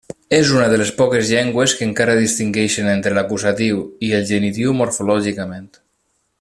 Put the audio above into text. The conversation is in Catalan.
És una de les poques llengües que encara distingeixen entre l'acusatiu i el genitiu morfològicament.